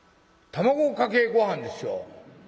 「卵かけごはんですよ。